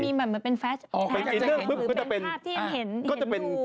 มันเป็นแฟช์เป็นภาพที่ยังเห็นดู